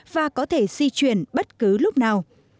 và có thể di chuyển bất cứ lúc nào